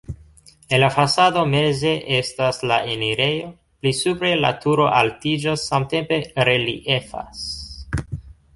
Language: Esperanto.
En la fasado meze estas la enirejo, pli supre la turo altiĝas, samtempe reliefas.